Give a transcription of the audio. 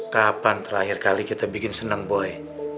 kapan terakhir kali kita bikin senang boy